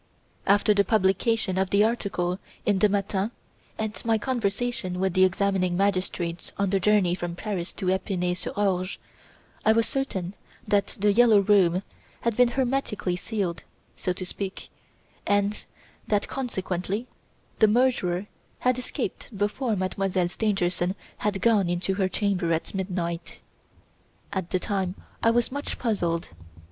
"After the publication of the article in the 'Matin' and my conversation with the examining magistrate on the journey from Paris to Epinaysur Orge, I was certain that "The Yellow Room" had been hermetically sealed, so to speak, and that consequently the murderer had escaped before Mademoiselle Stangerson had gone into her chamber at midnight. "At the time I was much puzzled.